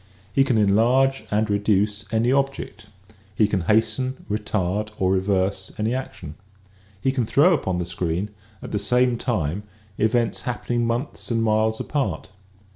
He can enlarge 64 EASY LESSONS IN EINSTEIN and reduce any object. He can hasten, retard or reverse any action. He can throw upon the screen at the same time events happening months and miles apart.